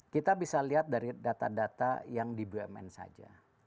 kita bisa lihat dari data data yang di bumn saja